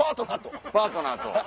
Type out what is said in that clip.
パートナーと。